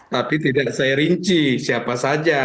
tapi tidak saya rinci siapa saja